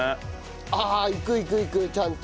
ああいくいくいくちゃんと。